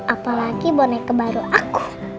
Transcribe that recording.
apalagi boneka baru aku